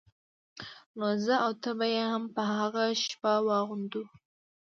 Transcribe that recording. نو زه او ته به يې هم په هغه شپه واغوندو.